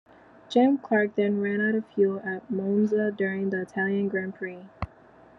Jim Clark then ran out of fuel at Monza during the Italian Grand Prix.